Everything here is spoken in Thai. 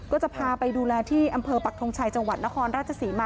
ก็จะพาไปดูแลที่อำเภอปักทงชัยจังหวัดนครราชศรีมา